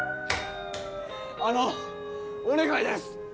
あのお願いです